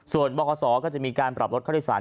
ส่วนบคศก็จะมีการปรับลดค่าโดยสาร